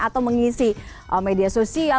atau mengisi media sosial